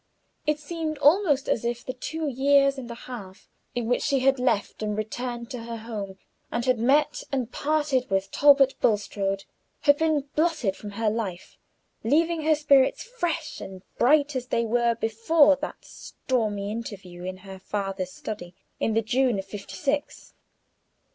It seemed almost as if the two years and a half in which she had left and returned to her home, and had met and parted with Talbot Bulstrode, had been blotted from her life, leaving her spirits fresh and bright as they were before that stormy interview in her father's study in the June of fifty six.